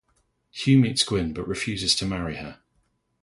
Huw meets Gwyn but refuses to marry her.